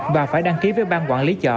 và phải đăng ký với ban quản lý chợ